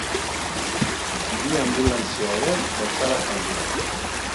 Bi anbulantzia ere bertara joan dira.